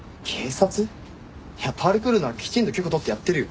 いやパルクールならきちんと許可取ってやってるよ。